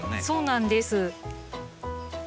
そうなんです。